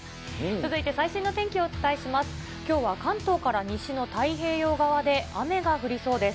続いて最新の天気をお伝えします。